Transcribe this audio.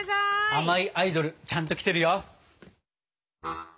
甘いアイドルちゃんと来てるよ。